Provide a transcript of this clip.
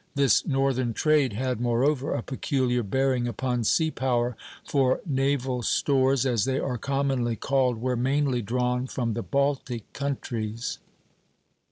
This northern trade had, moreover, a peculiar bearing upon sea power; for naval stores, as they are commonly called, were mainly drawn from the Baltic countries.